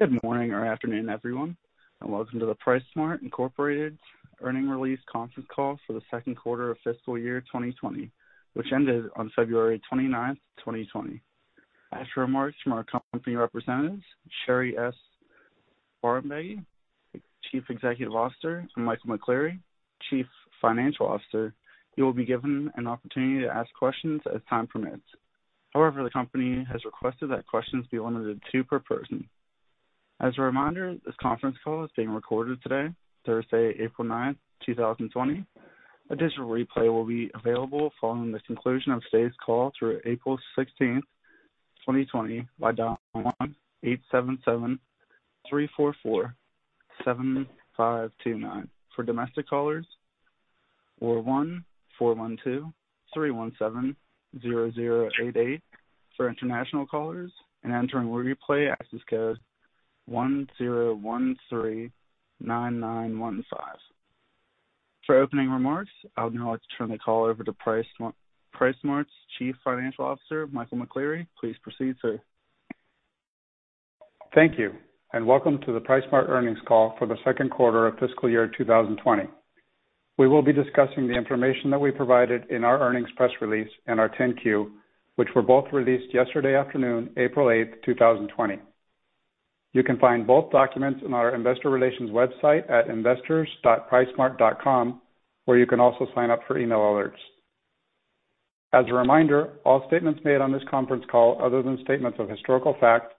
Good morning or afternoon, everyone, and welcome to the PriceSmart, Inc. Earnings Release Conference Call for the second quarter of fiscal year 2020, which ended on February 29th, 2020. After remarks from our company representatives, Sherry Bahrambeygui, Chief Executive Officer, and Michael McCleary, Chief Financial Officer, you will be given an opportunity to ask questions as time permits. The company has requested that questions be limited to two per person. As a reminder, this conference call is being recorded today, Thursday, April 9th, 2020. A digital replay will be available following the conclusion of today's call through April 16th, 2020, by dialing 1-877-344-7529 for domestic callers or 1-412-317-0088 for international callers, and entering replay access code 10139915. For opening remarks, I would now like to turn the call over to PriceSmart's Chief Financial Officer, Michael McCleary. Please proceed, sir. Thank you, and welcome to the PriceSmart Earnings Call for the second quarter of fiscal year 2020. We will be discussing the information that we provided in our earnings press release and our 10-Q, which were both released yesterday afternoon, April 8, 2020. You can find both documents on our investor relations website at investors.pricesmart.com, where you can also sign up for email alerts. As a reminder, all statements made on this conference call, other than statements of historical fact,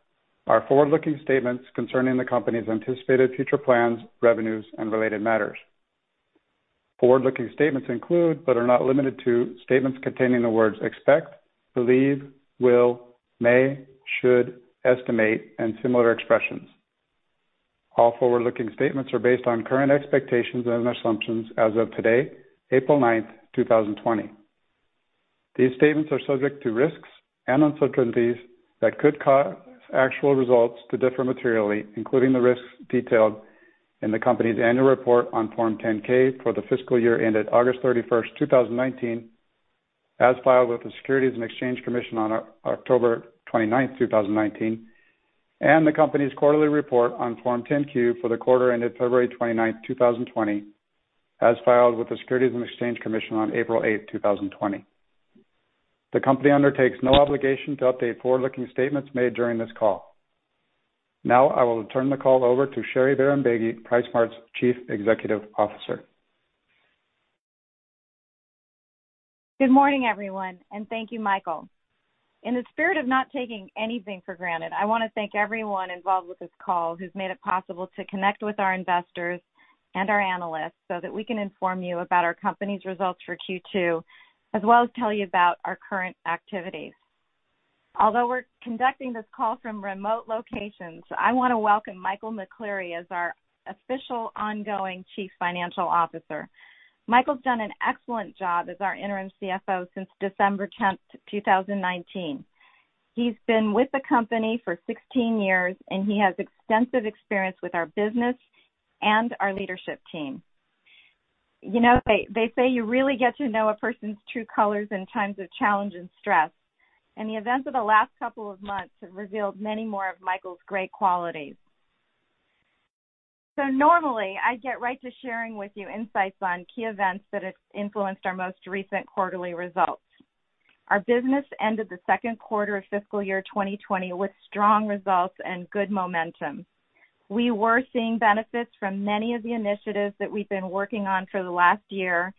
are forward-looking statements concerning the company's anticipated future plans, revenues, and related matters. Forward-looking statements include but are not limited to statements containing the words "expect," "believe," "will," "may," "should," "estimate," and similar expressions. All forward-looking statements are based on current expectations and assumptions as of today, April 9, 2020. These statements are subject to risks and uncertainties that could cause actual results to differ materially, including the risks detailed in the company's annual report on Form 10-K for the fiscal year ended August 31st, 2019, as filed with the Securities and Exchange Commission on October 29th, 2019, and the company's quarterly report on Form 10-Q for the quarter ended February 29th, 2020, as filed with the Securities and Exchange Commission on April eighth, 2020. The company undertakes no obligation to update forward-looking statements made during this call. Now, I will turn the call over to Sherry Bahrambeygui, PriceSmart's Chief Executive Officer. Good morning, everyone, and thank you, Michael. In the spirit of not taking anything for granted, I want to thank everyone involved with this call who's made it possible to connect with our investors and our analysts so that we can inform you about our company's results for Q2, as well as tell you about our current activities. Although we're conducting this call from remote locations, I want to welcome Michael McCleary as our official ongoing Chief Financial Officer. Michael's done an excellent job as our interim CFO since December 10th, 2019. He's been with the company for 16 years, and he has extensive experience with our business and our leadership team. They say you really get to know a person's true colors in times of challenge and stress, and the events of the last couple of months have revealed many more of Michael's great qualities. Normally, I'd get right to sharing with you insights on key events that have influenced our most recent quarterly results. Our business ended the second quarter of fiscal year 2020 with strong results and good momentum. We were seeing benefits from many of the initiatives that we've been working on for the last year,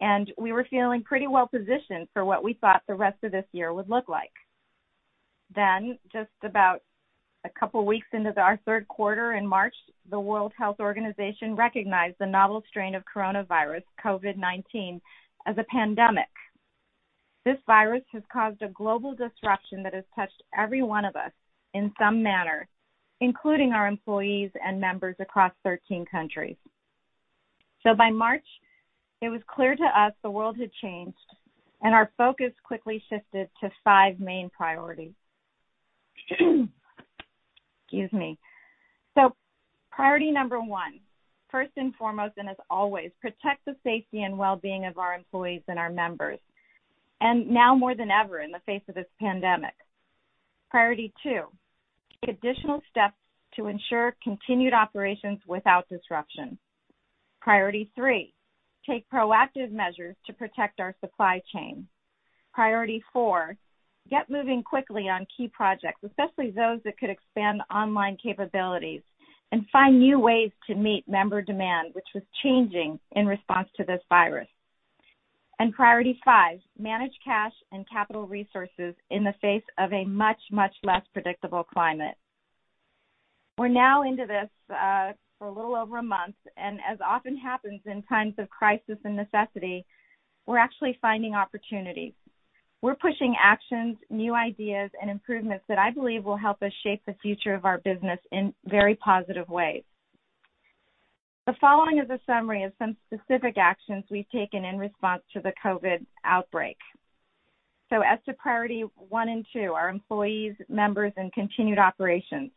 and we were feeling pretty well-positioned for what we thought the rest of this year would look like. Just about a couple weeks into our third quarter in March, the World Health Organization recognized the novel strain of coronavirus, COVID-19, as a pandemic. This virus has caused a global disruption that has touched every one of us in some manner, including our employees and members across 13 countries. By March, it was clear to us the world had changed, and our focus quickly shifted to five main priorities. Excuse me. Priority number one, first and foremost, and as always, protect the safety and wellbeing of our employees and our members, and now more than ever in the face of this pandemic. Priority two, take additional steps to ensure continued operations without disruption. Priority three, take proactive measures to protect our supply chain. Priority four, get moving quickly on key projects, especially those that could expand online capabilities and find new ways to meet member demand, which was changing in response to this virus. Priority five, manage cash and capital resources in the face of a much, much less predictable climate. We're now into this for a little over a month, and as often happens in times of crisis and necessity, we're actually finding opportunities. We're pushing actions, new ideas, and improvements that I believe will help us shape the future of our business in very positive ways. The following is a summary of some specific actions we've taken in response to the COVID-19 outbreak. As to priority 1 and 2, our employees, members, and continued operations.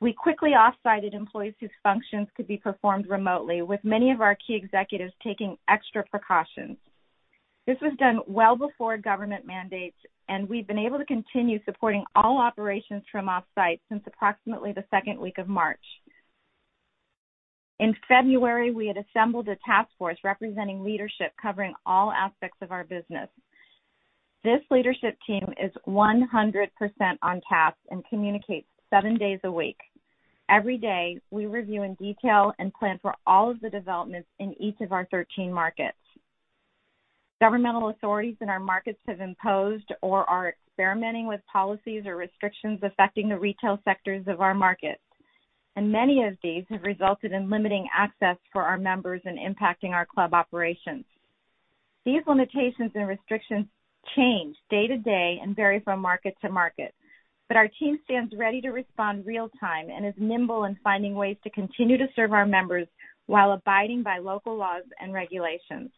We quickly off-sited employees whose functions could be performed remotely, with many of our key executives taking extra precautions. This was done well before government mandates, and we've been able to continue supporting all operations from off-site since approximately the second week of March. In February, we had assembled a task force representing leadership covering all aspects of our business. This leadership team is 100% on task and communicates seven days a week. Every day, we review in detail and plan for all of the developments in each of our 13 markets. Governmental authorities in our markets have imposed or are experimenting with policies or restrictions affecting the retail sectors of our markets, and many of these have resulted in limiting access for our members and impacting our club operations. These limitations and restrictions change day to day and vary from market to market. Our team stands ready to respond real time and is nimble in finding ways to continue to serve our members while abiding by local laws and regulations.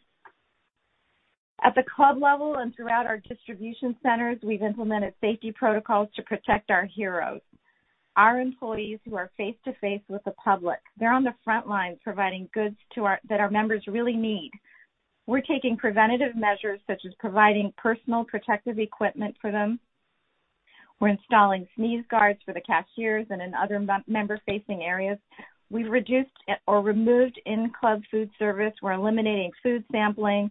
At the club level and throughout our distribution centers, we've implemented safety protocols to protect our heroes, our employees who are face to face with the public. They're on the front lines providing goods that our members really need. We're taking preventative measures such as providing personal protective equipment for them. We're installing sneeze guards for the cashiers and in other member-facing areas. We've reduced or removed in-club food service. We're eliminating food sampling.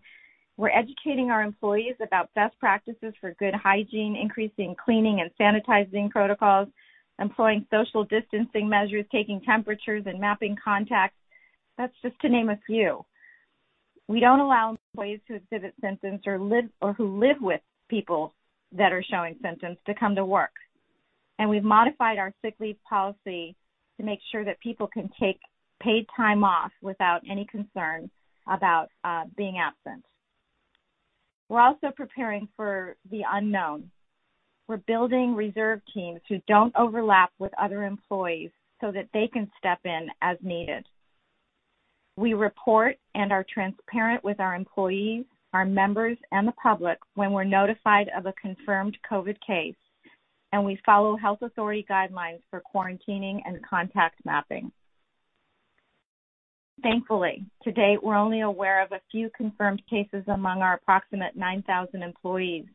We're educating our employees about best practices for good hygiene, increasing cleaning and sanitizing protocols, employing social distancing measures, taking temperatures, and mapping contacts. That's just to name a few. We don't allow employees who exhibit symptoms or who live with people that are showing symptoms to come to work. We've modified our sick leave policy to make sure that people can take paid time off without any concern about being absent. We're also preparing for the unknown. We're building reserve teams who don't overlap with other employees so that they can step in as needed. We report and are transparent with our employees, our members, and the public when we're notified of a confirmed COVID case, and we follow health authority guidelines for quarantining and contact mapping. Thankfully, to date, we're only aware of a few confirmed cases among our approximate 9,000 employees,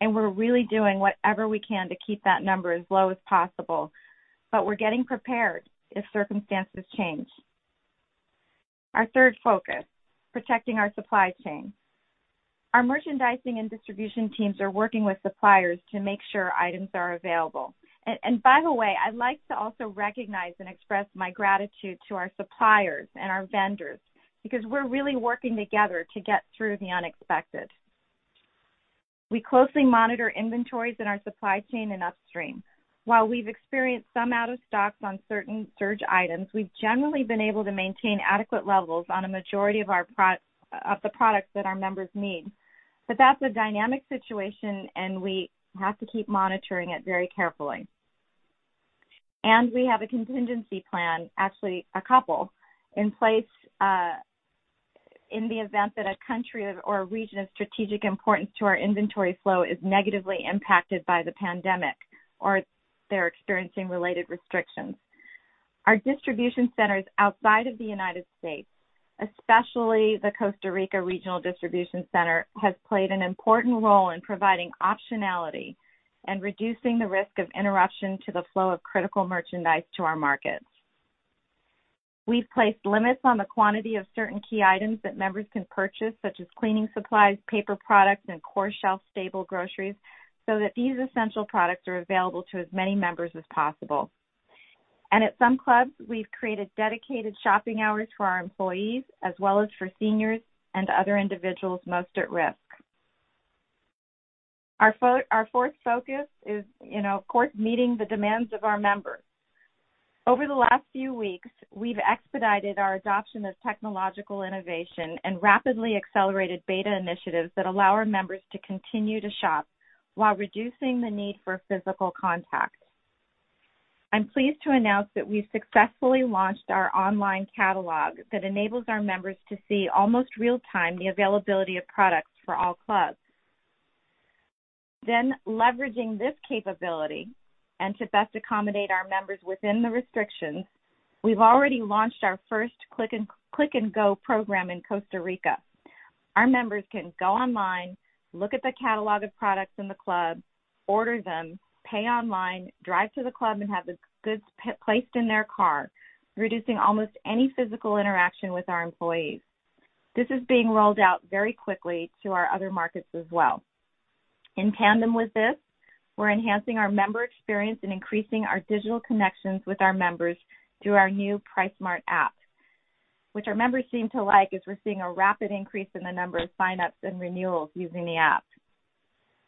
and we're really doing whatever we can to keep that number as low as possible. We're getting prepared if circumstances change. Our third focus, protecting our supply chain. Our merchandising and distribution teams are working with suppliers to make sure items are available. By the way, I'd like to also recognize and express my gratitude to our suppliers and our vendors because we're really working together to get through the unexpected. We closely monitor inventories in our supply chain and upstream. While we've experienced some out of stocks on certain surge items, we've generally been able to maintain adequate levels on a majority of the products that our members need. That's a dynamic situation, and we have to keep monitoring it very carefully. We have a contingency plan, actually a couple, in place, in the event that a country or a region of strategic importance to our inventory flow is negatively impacted by the pandemic, or they're experiencing related restrictions. Our distribution centers outside of the U.S., especially the Costa Rica regional distribution center, have played an important role in providing optionality and reducing the risk of interruption to the flow of critical merchandise to our markets. We've placed limits on the quantity of certain key items that members can purchase, such as cleaning supplies, paper products, and core shelf stable groceries, so that these essential products are available to as many members as possible. At some clubs, we've created dedicated shopping hours for our employees, as well as for seniors and other individuals most at risk. Our fourth focus is, of course, meeting the demands of our members. Over the last few weeks, we've expedited our adoption of technological innovation and rapidly accelerated beta initiatives that allow our members to continue to shop while reducing the need for physical contact. I'm pleased to announce that we've successfully launched our online catalog that enables our members to see almost real time the availability of products for all clubs. Leveraging this capability and to best accommodate our members within the restrictions, we've already launched our first Click and Go program in Costa Rica. Our members can go online, look at the catalog of products in the club, order them, pay online, drive to the club and have the goods placed in their car, reducing almost any physical interaction with our employees. This is being rolled out very quickly to our other markets as well. In tandem with this, we're enhancing our member experience and increasing our digital connections with our members through our new PriceSmart App, which our members seem to like as we're seeing a rapid increase in the number of sign-ups and renewals using the App.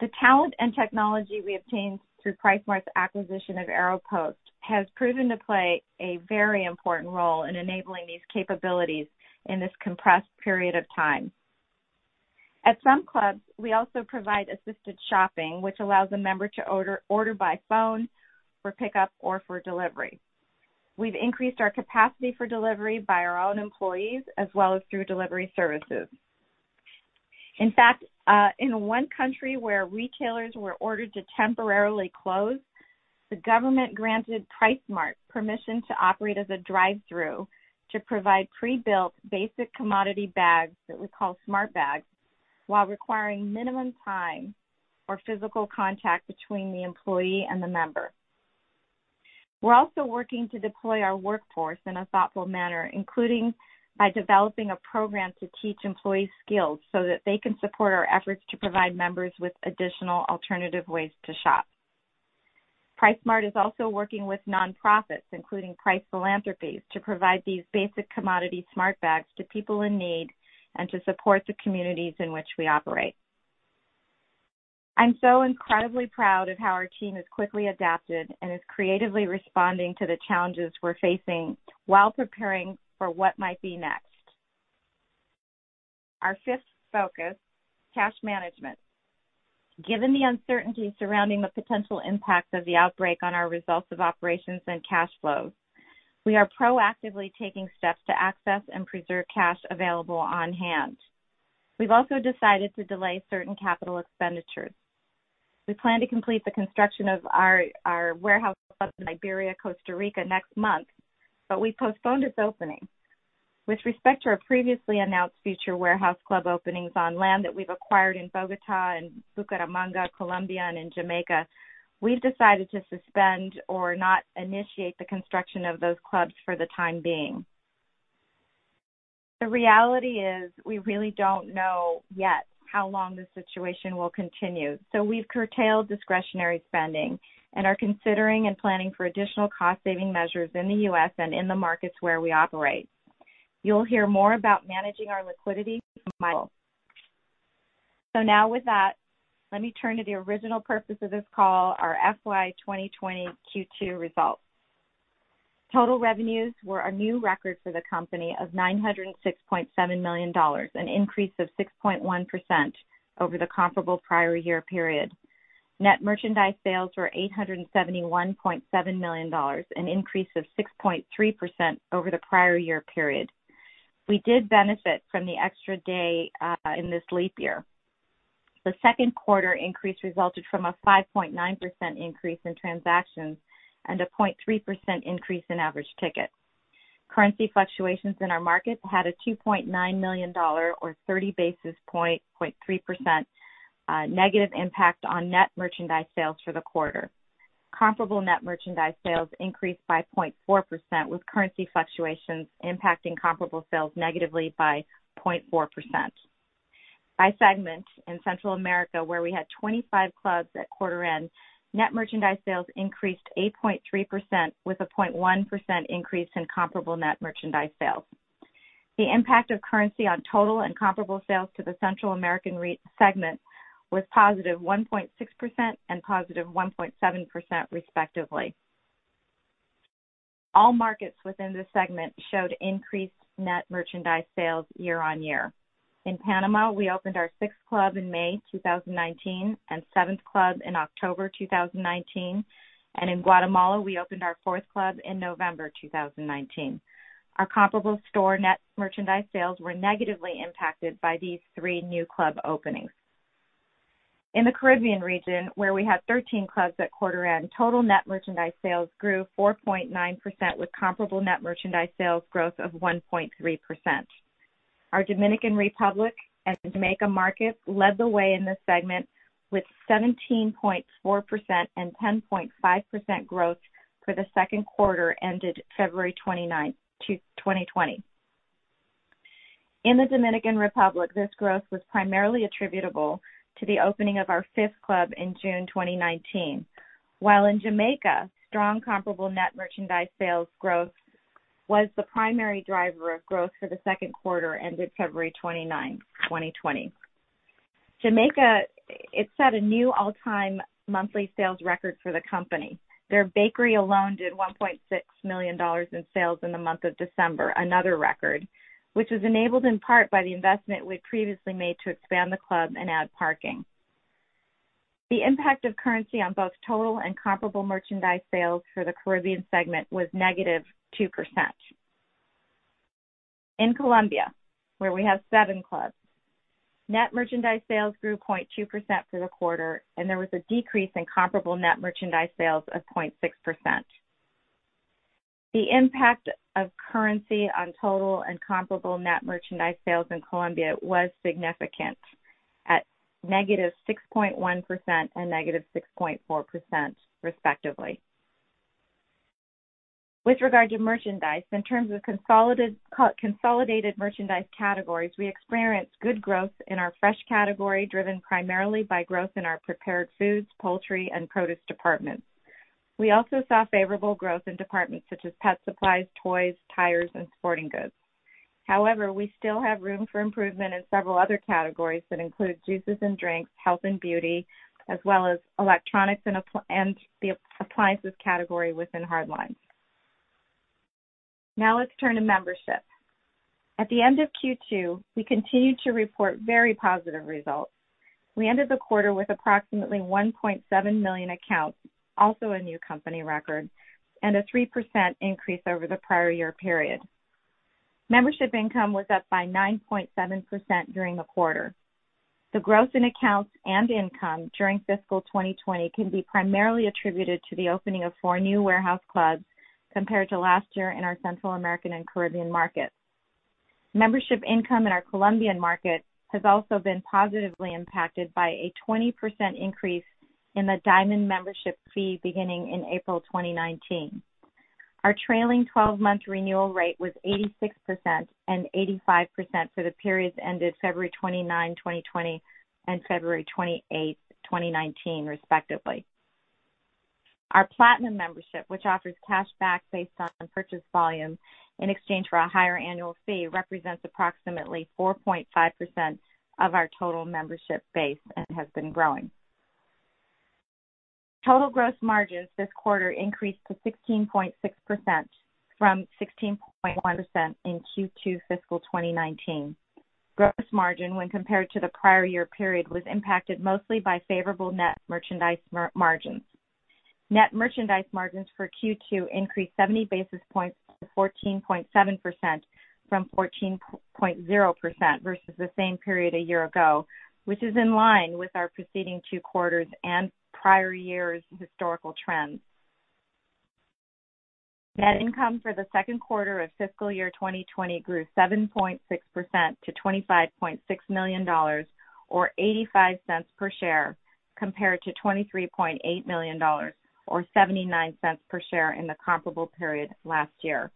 The talent and technology we obtained through PriceSmart's acquisition of Aeropost has proven to play a very important role in enabling these capabilities in this compressed period of time. At some clubs, we also provide assisted shopping, which allows a member to order by phone for pickup or for delivery. We've increased our capacity for delivery by our own employees, as well as through delivery services. In fact, in one country where retailers were ordered to temporarily close, the government granted PriceSmart permission to operate as a drive-thru to provide pre-built basic commodity bags that we call Smart Bags, while requiring minimum time or physical contact between the employee and the member. We're also working to deploy our workforce in a thoughtful manner, including by developing a program to teach employees skills so that they can support our efforts to provide members with additional alternative ways to shop. PriceSmart is also working with nonprofits, including Price Philanthropies, to provide these basic commodity Smart Bags to people in need and to support the communities in which we operate. I'm so incredibly proud of how our team has quickly adapted and is creatively responding to the challenges we're facing while preparing for what might be next. Our fifth focus, cash management. Given the uncertainty surrounding the potential impact of the outbreak on our results of operations and cash flows, we are proactively taking steps to access and preserve cash available on hand. We've also decided to delay certain capital expenditures. We plan to complete the construction of our warehouse club in Liberia, Costa Rica next month, but we postponed its opening. With respect to our previously announced future warehouse club openings on land that we've acquired in Bogotá and Bucaramanga, Colombia and in Jamaica, we've decided to suspend or not initiate the construction of those clubs for the time being. The reality is, we really don't know yet how long this situation will continue, so we've curtailed discretionary spending and are considering and planning for additional cost saving measures in the U.S. and in the markets where we operate. You'll hear more about managing our liquidity from Michael. Now with that, let me turn to the original purpose of this call, our FY 2020 Q2 results. Total revenues were a new record for the company of $906.7 million, an increase of 6.1% over the comparable prior year period. Net merchandise sales were $871.7 million, an increase of 6.3% over the prior year period. We did benefit from the extra day in this leap year. The second quarter increase resulted from a 5.9% increase in transactions and a 0.3% increase in average ticket. Currency fluctuations in our markets had a $2.9 million, or 30 basis point, 0.3% negative impact on net merchandise sales for the quarter. Comparable net merchandise sales increased by 0.4%, with currency fluctuations impacting comparable sales negatively by 0.4%. By segment in Central America, where we had 25 clubs at quarter end, net merchandise sales increased 8.3%, with a 0.1% increase in comparable net merchandise sales. The impact of currency on total and comparable sales to the Central American segment was positive 1.6% and positive 1.7% respectively. All markets within this segment showed increased net merchandise sales year-on-year. In Panama, we opened our sixth club in May 2019, and seventh club in October 2019. In Guatemala, we opened our fourth club in November 2019. Our comparable store net merchandise sales were negatively impacted by these three new club openings. In the Caribbean region, where we had 13 clubs at quarter end, total net merchandise sales grew 4.9%, with comparable net merchandise sales growth of 1.3%. Our Dominican Republic and Jamaica markets led the way in this segment with 17.4% and 10.5% growth for the second quarter ended February 29th, 2020. In the Dominican Republic, this growth was primarily attributable to the opening of our fifth club in June 2019. While in Jamaica, strong comparable net merchandise sales growth was the primary driver of growth for the second quarter ended February 29th, 2020. Jamaica, it set a new all-time monthly sales record for the company. Their bakery alone did $1.6 million in sales in the month of December, another record, which was enabled in part by the investment we previously made to expand the club and add parking. The impact of currency on both total and comparable merchandise sales for the Caribbean segment was -2%. In Colombia, where we have seven clubs, net merchandise sales grew 0.2% for the quarter, and there was a decrease in comparable net merchandise sales of 0.6%. The impact of currency on total and comparable net merchandise sales in Colombia was significant, at -6.1% and -6.4% respectively. With regard to merchandise, in terms of consolidated merchandise categories, we experienced good growth in our fresh category, driven primarily by growth in our prepared foods, poultry, and produce departments. We also saw favorable growth in departments such as pet supplies, toys, tires, and sporting goods. However, we still have room for improvement in several other categories that include juices and drinks, health and beauty, as well as electronics and the appliances category within hard lines. Now let's turn to membership. At the end of Q2, we continued to report very positive results. We ended the quarter with approximately 1.7 million accounts, also a new company record, and a 3% increase over the prior year period. Membership income was up by 9.7% during the quarter. The growth in accounts and income during fiscal 2020 can be primarily attributed to the opening of four new warehouse clubs compared to last year in our Central American and Caribbean markets. Membership income in our Colombian market has also been positively impacted by a 20% increase in the Diamond membership fee beginning in April 2019. Our trailing 12-month renewal rate was 86% and 85% for the periods ended February 29, 2020, and February 28, 2019, respectively. Our Platinum membership, which offers cash back based on purchase volume in exchange for a higher annual fee, represents approximately 4.5% of our total membership base and has been growing. Total gross margins this quarter increased to 16.6% from 16.1% in Q2 fiscal 2019. Gross margin when compared to the prior year period was impacted mostly by favorable net merchandise margins. Net merchandise margins for Q2 increased 70 basis points to 14.7% from 14.0% versus the same period a year ago, which is in line with our preceding two quarters and prior years' historical trends. Net income for the second quarter of fiscal year 2020 grew 7.6% to $25.6 million, or $0.85 per share, compared to $23.8 million or $0.79 per share in the comparable period last year.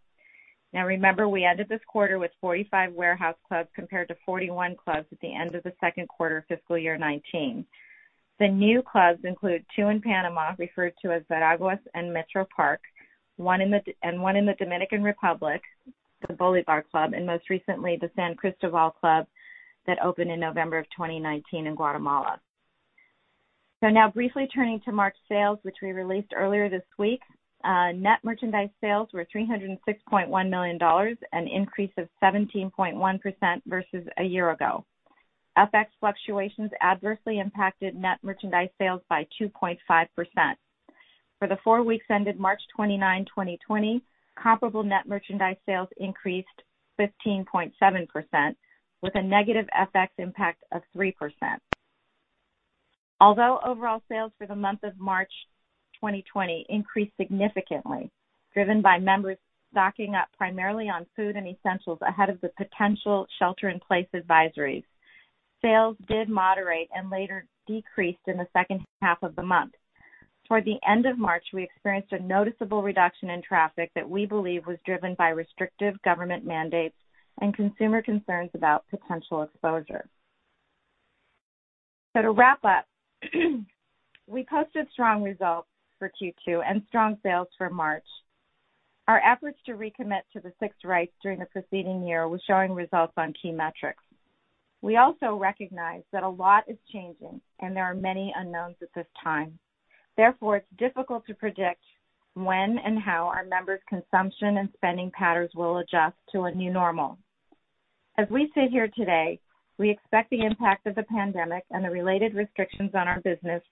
Now remember, we ended this quarter with 45 warehouse clubs compared to 41 clubs at the end of the second quarter fiscal year 2019. The new clubs include two in Panama, referred to as Veraguas and Metro Park, and one in the Dominican Republic, the Bolívar club, and most recently, the San Cristóbal club that opened in November 2019 in Guatemala. Now briefly turning to March sales, which we released earlier this week. Net merchandise sales were $306.1 million, an increase of 17.1% versus a year ago. FX fluctuations adversely impacted net merchandise sales by 2.5%. For the four weeks ended March 29, 2020, comparable net merchandise sales increased 15.7%, with a negative FX impact of 3%. Although overall sales for the month of March 2020 increased significantly, driven by members stocking up primarily on food and essentials ahead of the potential shelter-in-place advisories, sales did moderate and later decreased in the second half of the month. Toward the end of March, we experienced a noticeable reduction in traffic that we believe was driven by restrictive government mandates and consumer concerns about potential exposure. To wrap up, we posted strong results for Q2 and strong sales for March. Our efforts to recommit to the Six Rights during the preceding year was showing results on key metrics. We also recognize that a lot is changing and there are many unknowns at this time. Therefore, it's difficult to predict when and how our members' consumption and spending patterns will adjust to a new normal. As we sit here today, we expect the impact of the pandemic and the related restrictions on our business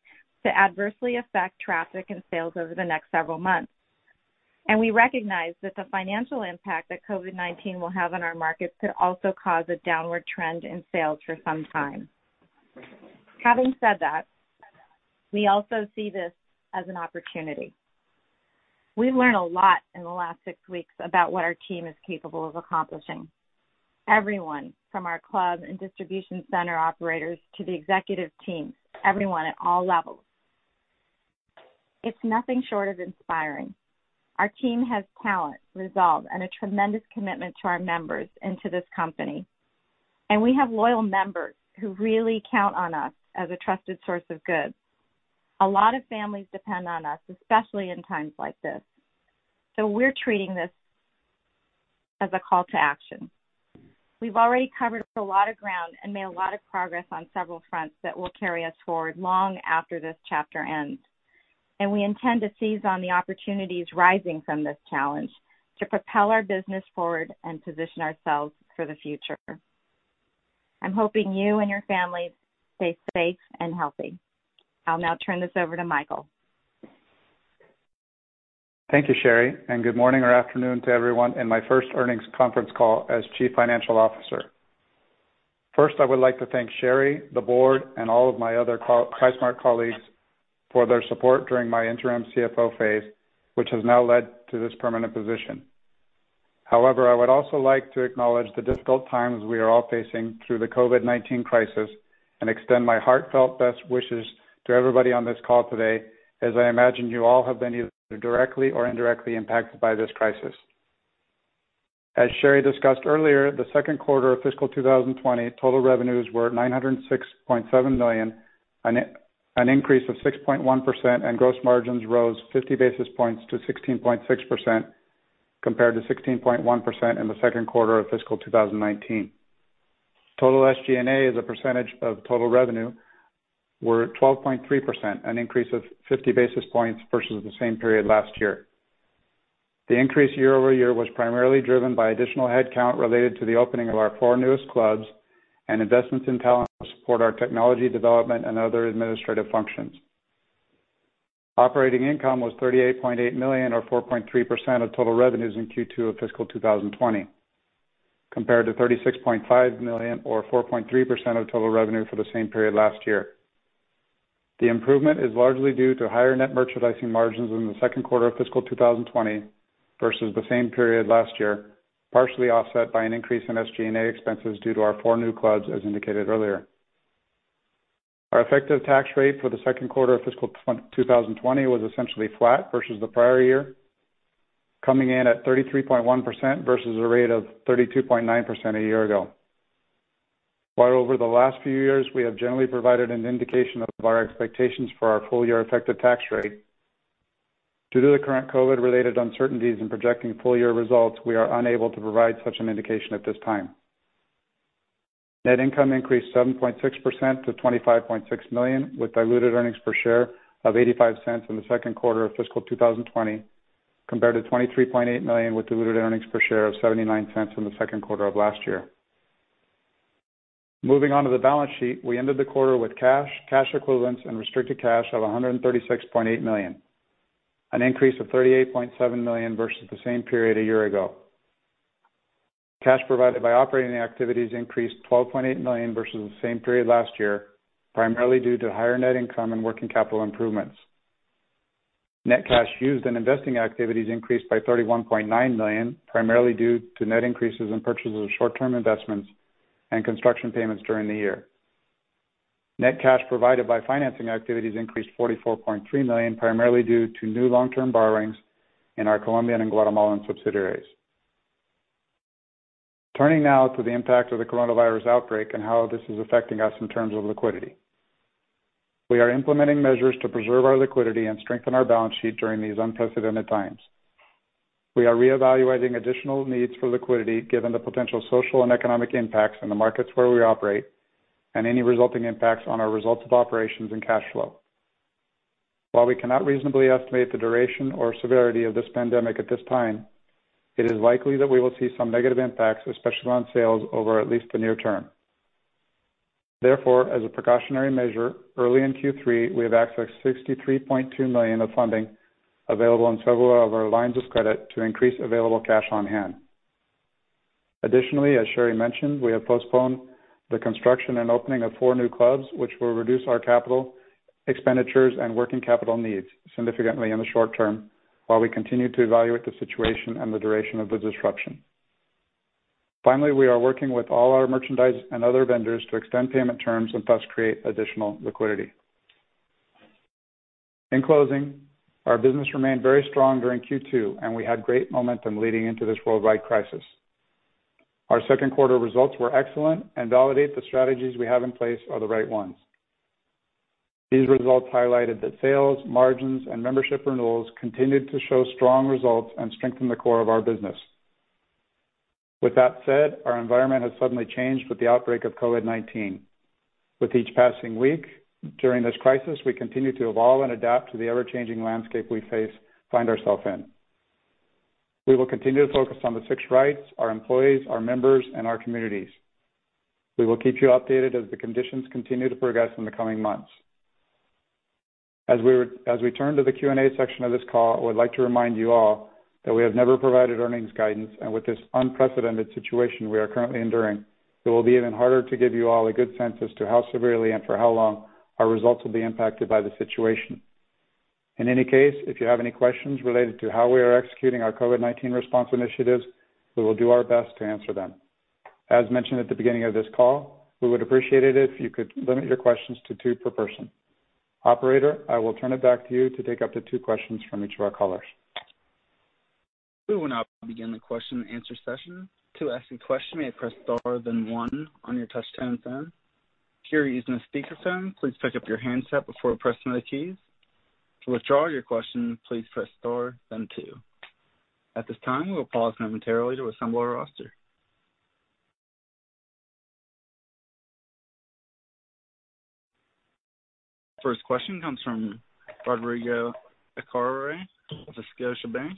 to adversely affect traffic and sales over the next several months. We recognize that the financial impact that COVID-19 will have on our markets could also cause a downward trend in sales for some time. Having said that, we also see this as an opportunity. We've learned a lot in the last six weeks about what our team is capable of accomplishing. Everyone, from our club and distribution center operators to the executive team, everyone at all levels. It's nothing short of inspiring. Our team has talent, resolve, and a tremendous commitment to our members and to this company, and we have loyal members who really count on us as a trusted source of goods. A lot of families depend on us, especially in times like this. We're treating this as a call to action. We've already covered a lot of ground and made a lot of progress on several fronts that will carry us forward long after this chapter ends. We intend to seize on the opportunities rising from this challenge to propel our business forward and position ourselves for the future. I'm hoping you and your families stay safe and healthy. I'll now turn this over to Michael. Thank you, Sherry, and good morning or afternoon to everyone in my first earnings conference call as Chief Financial Officer. First, I would like to thank Sherry, the board, and all of my other PriceSmart colleagues for their support during my interim CFO phase, which has now led to this permanent position. However, I would also like to acknowledge the difficult times we are all facing through the COVID-19 crisis and extend my heartfelt best wishes to everybody on this call today, as I imagine you all have been either directly or indirectly impacted by this crisis. As Sherry discussed earlier, the second quarter of fiscal 2020, total revenues were $906.7 million, an increase of 6.1%, and gross margins rose 50 basis points to 16.6% compared to 16.1% in the second quarter of fiscal 2019. Total SG&A as a percentage of total revenue were at 12.3%, an increase of 50 basis points versus the same period last year. The increase year-over-year was primarily driven by additional headcount related to the opening of our four newest clubs and investments in talent to support our technology development and other administrative functions. Operating income was $38.8 million, or 4.3% of total revenues in Q2 of fiscal 2020, compared to $36.5 million, or 4.3% of total revenue for the same period last year. The improvement is largely due to higher net merchandising margins in the second quarter of fiscal 2020 versus the same period last year, partially offset by an increase in SG&A expenses due to our four new clubs, as indicated earlier. Our effective tax rate for the second quarter of fiscal 2020 was essentially flat versus the prior year, coming in at 33.1% versus a rate of 32.9% a year ago. While over the last few years, we have generally provided an indication of our expectations for our full-year effective tax rate, due to the current COVID-related uncertainties in projecting full-year results, we are unable to provide such an indication at this time. Net income increased 7.6% to $25.6 million, with diluted earnings per share of $0.85 in the second quarter of fiscal 2020, compared to $23.8 million with diluted earnings per share of $0.79 in the second quarter of last year. Moving on to the balance sheet, we ended the quarter with cash equivalents, and restricted cash of $136.8 million, an increase of $38.7 million versus the same period a year ago. Cash provided by operating activities increased $12.8 million versus the same period last year, primarily due to higher net income and working capital improvements. Net cash used in investing activities increased by $31.9 million, primarily due to net increases in purchases of short-term investments and construction payments during the year. Net cash provided by financing activities increased $44.3 million, primarily due to new long-term borrowings in our Colombian and Guatemalan subsidiaries. Turning now to the impact of the coronavirus outbreak and how this is affecting us in terms of liquidity. We are implementing measures to preserve our liquidity and strengthen our balance sheet during these unprecedented times. We are reevaluating additional needs for liquidity, given the potential social and economic impacts in the markets where we operate and any resulting impacts on our results of operations and cash flow. While we cannot reasonably estimate the duration or severity of this pandemic at this time, it is likely that we will see some negative impacts, especially on sales, over at least the near term. As a precautionary measure, early in Q3, we have accessed $63.2 million of funding available in several of our lines of credit to increase available cash on hand. As Sherry mentioned, we have postponed the construction and opening of four new clubs, which will reduce our capital expenditures and working capital needs significantly in the short term while we continue to evaluate the situation and the duration of the disruption. We are working with all our merchandise and other vendors to extend payment terms and thus create additional liquidity. In closing, our business remained very strong during Q2, and we had great momentum leading into this worldwide crisis. Our second quarter results were excellent and validate the strategies we have in place are the right ones. These results highlighted that sales, margins, and membership renewals continued to show strong results and strengthen the core of our business. With that said, our environment has suddenly changed with the outbreak of COVID-19. With each passing week during this crisis, we continue to evolve and adapt to the ever-changing landscape we find ourselves in. We will continue to focus on the Six Rights, our employees, our members, and our communities. We will keep you updated as the conditions continue to progress in the coming months. As we turn to the Q&A section of this call, I would like to remind you all that we have never provided earnings guidance, and with this unprecedented situation we are currently enduring, it will be even harder to give you all a good sense as to how severely and for how long our results will be impacted by the situation. In any case, if you have any questions related to how we are executing our COVID-19 response initiatives, we will do our best to answer them. As mentioned at the beginning of this call, we would appreciate it if you could limit your questions to two per person. Operator, I will turn it back to you to take up to two questions from each of our callers. We will now begin the question and answer session. To ask a question, you may press star, then one on your touch-tone phone. If you are using a speakerphone, please pick up your handset before pressing the keys. To withdraw your question, please press star, then two. At this time, we will pause momentarily to assemble our roster. First question comes from Rodrigo Echagaray of Scotiabank.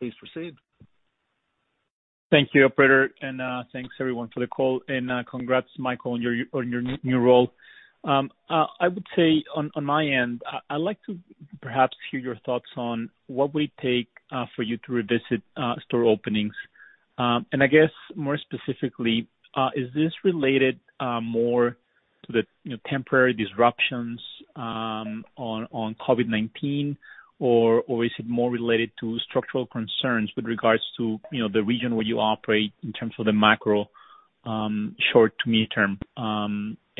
Please proceed. Thank you, operator. Thanks, everyone, for the call. Congrats, Michael, on your new role. I would say, on my end, I'd like to perhaps hear your thoughts on what will it take for you to revisit store openings. I guess more specifically, is this related more to the temporary disruptions on COVID-19, or is it more related to structural concerns with regards to the region where you operate in terms of the macro short to midterm?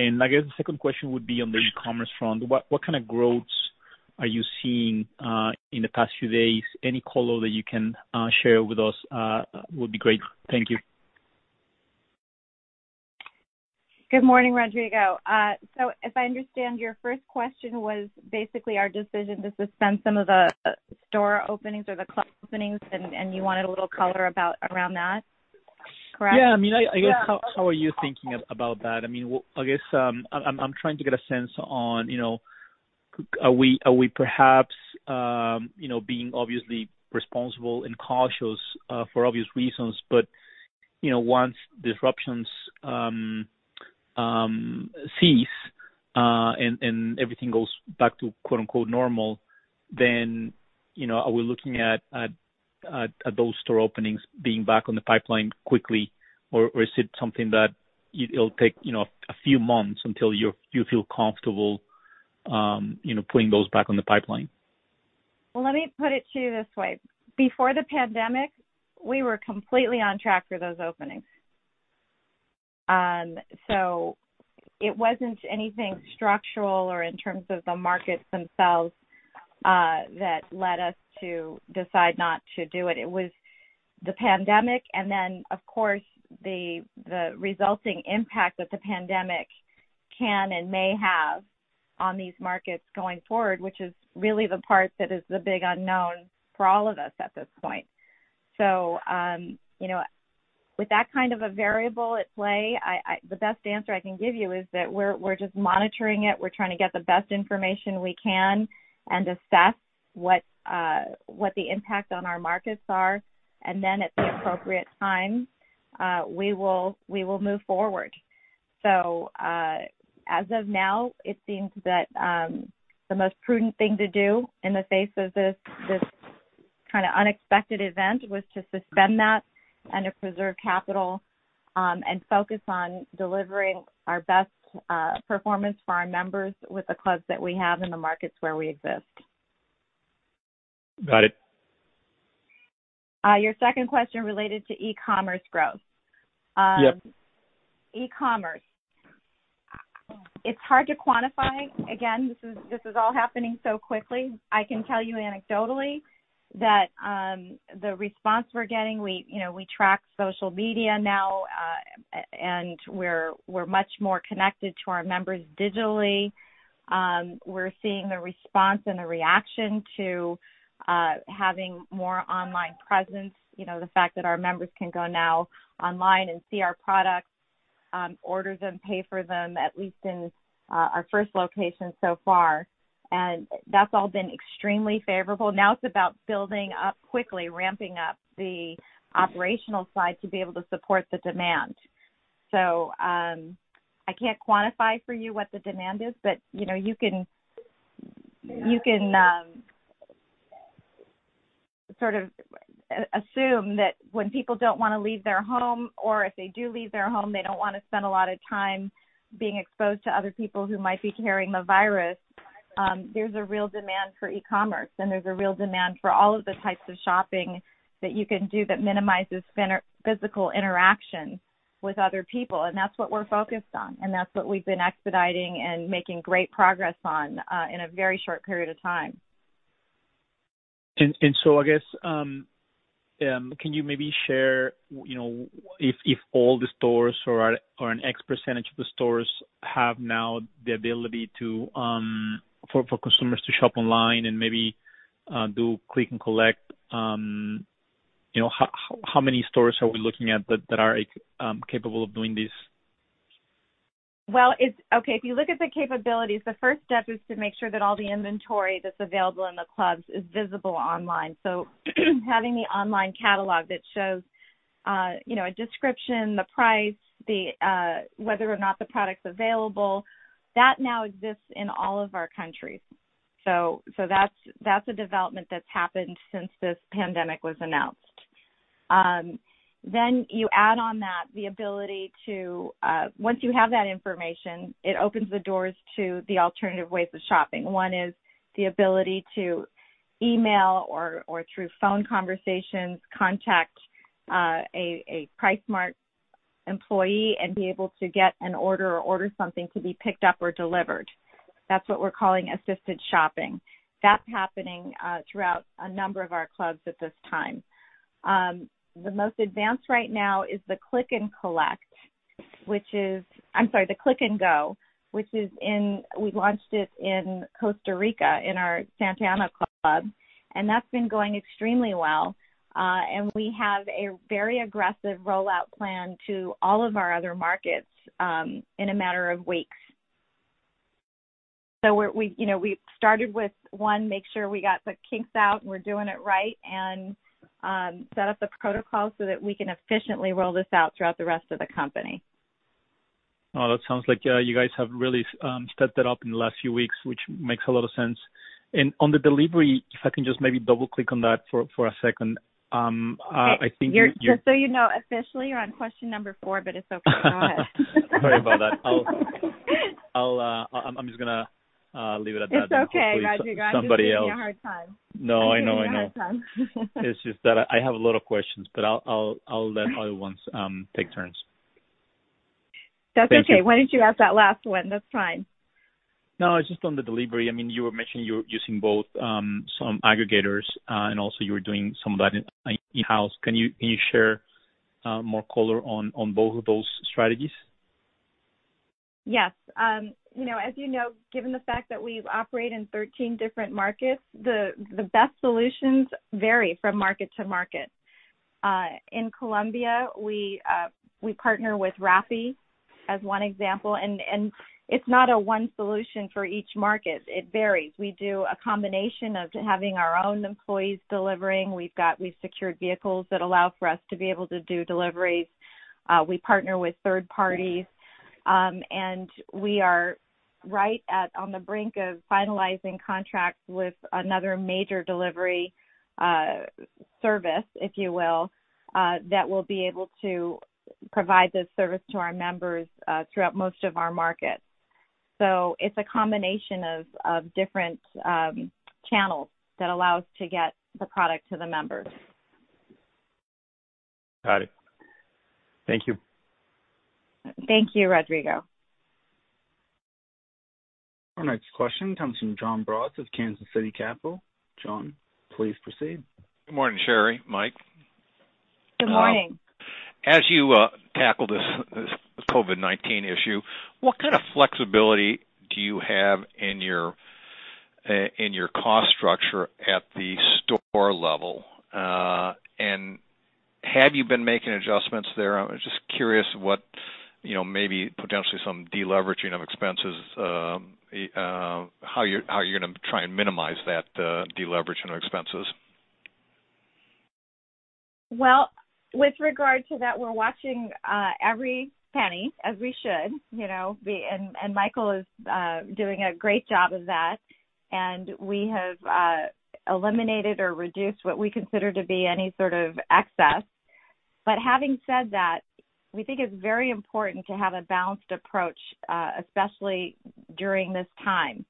I guess the second question would be on the e-commerce front. What kind of growths are you seeing in the past few days? Any color that you can share with us would be great. Thank you. Good morning, Rodrigo. If I understand, your first question was basically our decision to suspend some of the store openings or the club openings, and you wanted a little color around that, correct? Yeah. I guess, how are you thinking about that? I guess I'm trying to get a sense on, are we perhaps being obviously responsible and cautious for obvious reasons, but once disruptions cease, and everything goes back to "normal," then are we looking at those store openings being back on the pipeline quickly, or is it something that it'll take a few months until you feel comfortable putting those back on the pipeline? Well, let me put it to you this way. Before the pandemic, we were completely on track for those openings. It wasn't anything structural or in terms of the markets themselves that led us to decide not to do it. It was the pandemic, and then, of course, the resulting impact that the pandemic can and may have on these markets going forward, which is really the part that is the big unknown for all of us at this point. With that kind of a variable at play, the best answer I can give you is that we're just monitoring it. We're trying to get the best information we can and assess what the impact on our markets are. Then at the appropriate time, we will move forward. As of now, it seems that the most prudent thing to do in the face of this kind of unexpected event was to suspend that and to preserve capital, and focus on delivering our best performance for our members with the clubs that we have in the markets where we exist. Got it. Your second question related to e-commerce growth. Yep. E-commerce. It's hard to quantify. Again, this is all happening so quickly. I can tell you anecdotally that the response we're getting, we track social media now, and we're much more connected to our members digitally. We're seeing the response and the reaction to having more online presence. The fact that our members can go now online and see our products, order them, pay for them, at least in our first location so far. That's all been extremely favorable. Now it's about building up quickly, ramping up the operational side to be able to support the demand. I can't quantify for you what the demand is, but you can sort of assume that when people don't want to leave their home, or if they do leave their home, they don't want to spend a lot of time being exposed to other people who might be carrying the virus. There's a real demand for e-commerce, and there's a real demand for all of the types of shopping that you can do that minimizes physical interaction with other people. That's what we're focused on. That's what we've been expediting and making great progress on, in a very short period of time. I guess, can you maybe share if all the stores or an X percentage of the stores have now the ability for customers to shop online and maybe do Click and Go. How many stores are we looking at that are capable of doing this? Well, okay, if you look at the capabilities, the first step is to make sure that all the inventory that's available in the clubs is visible online. Having the online catalog that shows a description, the price, whether or not the product's available, that now exists in all of our countries. That's a development that's happened since this pandemic was announced. You add on that the ability to, once you have that information, it opens the doors to the alternative ways of shopping. One is the ability to email or through phone conversations, contact a PriceSmart employee and be able to get an order or order something to be picked up or delivered. That's what we're calling assisted shopping. That's happening throughout a number of our clubs at this time. The most advanced right now is the Click and Go, which we launched it in Costa Rica in our Santa Ana club, that's been going extremely well. We have a very aggressive rollout plan to all of our other markets in a matter of weeks. We started with one, make sure we got the kinks out, and we're doing it right, and set up the protocols so that we can efficiently roll this out throughout the rest of the company. Oh, that sounds like you guys have really stepped it up in the last few weeks, which makes a lot of sense. On the delivery, if I can just maybe double click on that for a second. Just so you know, officially, you're on question number four, but it's okay. Go ahead. Sorry about that. I'm just gonna leave it at that. It's okay, Rodrigo. And hopefully somebody else- You're giving me a hard time. No, I know. I'm giving you a hard time. It's just that I have a lot of questions, but I'll let other ones take turns. That's okay. Thank you. Why don't you ask that last one? That's fine. No, it's just on the delivery. You were mentioning you're using both some aggregators, and also you were doing some of that in-house. Can you share more color on both of those strategies? Yes. As you know, given the fact that we operate in 13 different markets, the best solutions vary from market to market. In Colombia, we partner with Rappi as one example, and it's not a one solution for each market. It varies. We do a combination of having our own employees delivering. We've secured vehicles that allow for us to be able to do deliveries. We partner with third parties. We are right on the brink of finalizing contracts with another major delivery service, if you will, that will be able to provide this service to our members throughout most of our markets. It's a combination of different channels that allow us to get the product to the members. Got it. Thank you. Thank you, Rodrigo. Our next question comes from Jon Braatz of Kansas City Capital. Jon, please proceed. Good morning, Sherry, Mike. Good morning. As you tackle this COVID-19 issue, what kind of flexibility do you have in your cost structure at the store level? Have you been making adjustments there? I'm just curious what maybe potentially some deleveraging of expenses, how you're going to try and minimize that deleveraging of expenses. Well, with regard to that, we're watching every penny as we should. Michael is doing a great job of that. We have eliminated or reduced what we consider to be any sort of excess. Having said that, we think it's very important to have a balanced approach, especially during this time.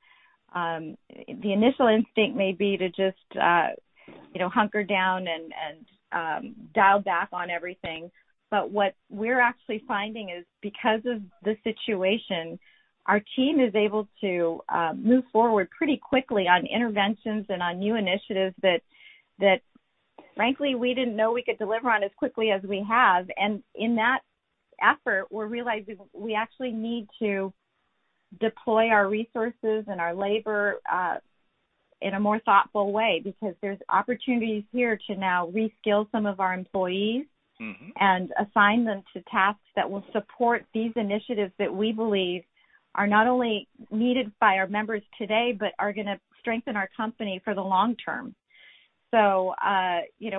The initial instinct may be to just hunker down and dial back on everything. What we're actually finding is because of the situation, our team is able to move forward pretty quickly on interventions and on new initiatives that frankly, we didn't know we could deliver on as quickly as we have. In that effort, we're realizing we actually need to deploy our resources and our labor, in a more thoughtful way because there's opportunities here to now reskill some of our employees. Assign them to tasks that will support these initiatives that we believe are not only needed by our members today, but are going to strengthen our company for the long term.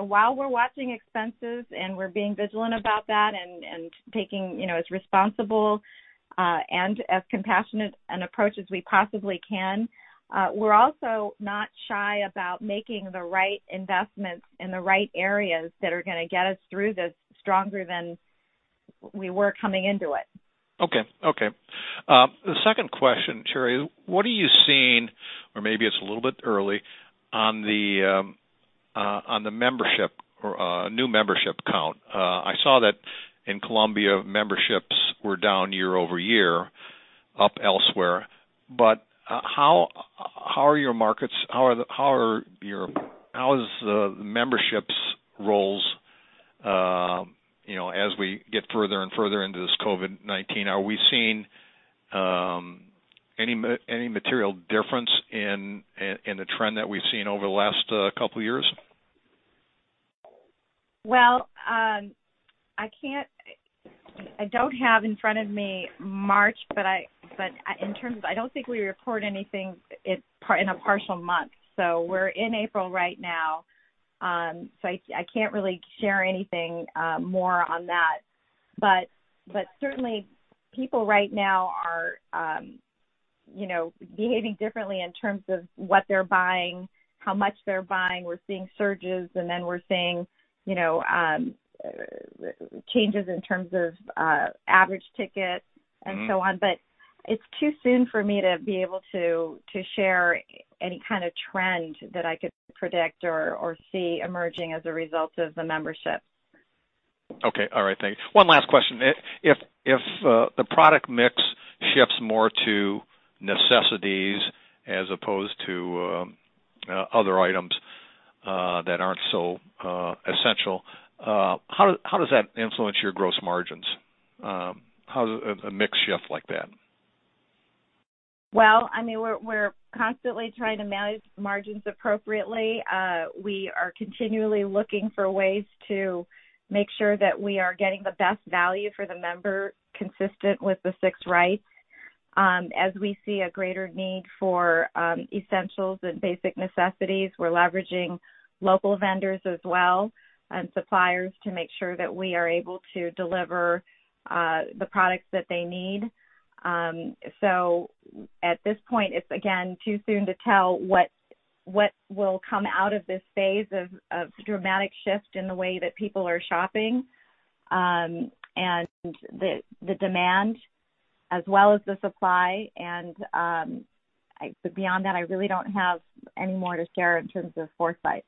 While we're watching expenses and we're being vigilant about that and taking as responsible, and as compassionate an approach as we possibly can, we're also not shy about making the right investments in the right areas that are going to get us through this stronger than we were coming into it. Okay. The second question, Sherry, what are you seeing, or maybe it's a little bit early, on the membership or new membership count? I saw that in Colombia, memberships were down year-over-year, up elsewhere. How are your markets, how is the membership rolls, as we get further and further into this COVID-19? Are we seeing any material difference in the trend that we've seen over the last couple of years? Well, I don't have in front of me March. I don't think we report anything in a partial month. We're in April right now. I can't really share anything more on that. Certainly people right now are behaving differently in terms of what they're buying, how much they're buying. We're seeing surges. We're seeing changes in terms of average ticket and so on. It's too soon for me to be able to share any kind of trend that I could predict or see emerging as a result of the membership. Okay. All right. Thanks. One last question. If the product mix shifts more to necessities as opposed to other items that aren't so essential, how does that influence your gross margins? How does a mix shift like that? Well, we're constantly trying to manage margins appropriately. We are continually looking for ways to make sure that we are getting the best value for the member consistent with the Six Rights. As we see a greater need for essentials and basic necessities, we're leveraging local vendors as well, and suppliers to make sure that we are able to deliver the products that they need. At this point, it's, again, too soon to tell what will come out of this phase of dramatic shift in the way that people are shopping, and the demand as well as the supply. Beyond that, I really don't have any more to share in terms of foresight.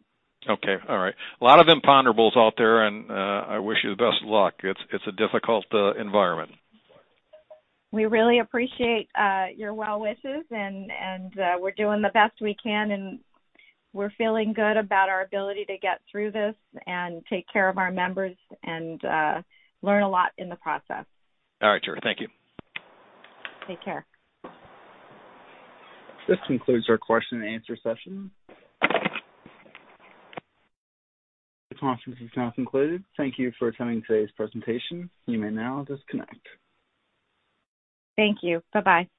Okay. All right. A lot of imponderables out there, and I wish you the best of luck. It's a difficult environment. We really appreciate your well wishes, we're doing the best we can, we're feeling good about our ability to get through this and take care of our members and learn a lot in the process. All right, Sherry. Thank you. Take care. This concludes our question and answer session. The conference is now concluded. Thank you for attending today's presentation. You may now disconnect. Thank you. Bye-bye.